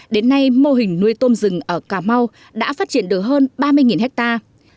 đến nay mô hình nuôi tôm rừng ở cà mau đã phát triển được hơn ba mươi hectare